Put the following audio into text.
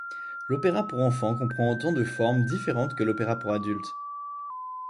L'opéra pour enfants comprend autant de formes différentes que l'opéra pour adultes.